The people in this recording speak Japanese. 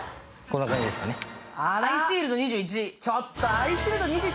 「アイシールド２１」